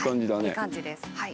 いい感じですはい。